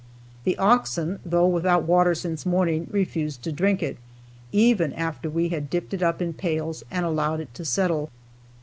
The oxen, though without water since morning, refused to drink it, even after we had dipped it up in pails and allowed it to settle.